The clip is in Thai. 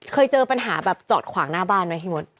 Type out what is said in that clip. เคยเจอปัญหาแบบจอดขวางหน้าบ้านไหมพี่มด